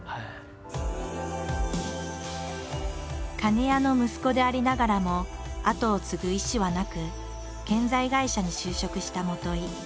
鐘屋の息子でありながらも後を継ぐ意思はなく建材会社に就職した元井。